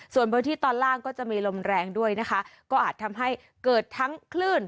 ส่วนพื้นที่ตอนล่างก็จะมีลมแรงด้วยนะคะก็อาจทำให้เกิดทั้งคลื่น